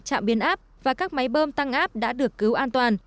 trạm biến áp và các máy bơm tăng áp đã được cứu an toàn